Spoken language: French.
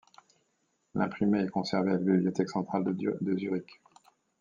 L'imprimé est conservé à la Bibliothèque centrale de Zurich.